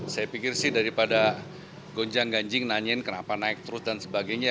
saya pikir sih daripada gonjang ganjing nanyain kenapa naik terus dan sebagainya